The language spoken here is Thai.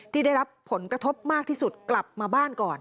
ที่ได้รับผลกระทบมากที่สุดกลับมาบ้านก่อน